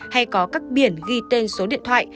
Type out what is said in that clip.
hay có các biển ghi tên số điện thoại